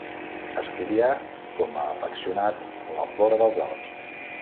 Estudià com afeccionat la flora dels Alps.